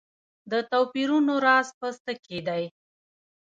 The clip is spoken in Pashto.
د توپیرونو راز په څه کې دی.